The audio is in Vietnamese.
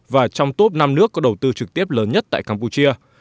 và trong top năm nước có đầu tư trực tiếp lớn nhất tại campuchia